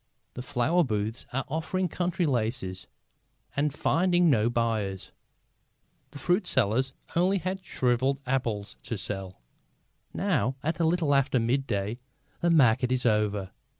The flower booths are offering country laces and finding no buyers. The fruit sellers have only shrivelled apples to sell. Now, at a little after midday, the market is over.